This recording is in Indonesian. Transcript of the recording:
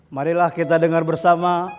marilah kita dengar bersama